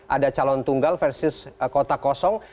ada calon tunggal versus kota kosong